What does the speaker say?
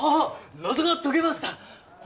謎が解けましたあ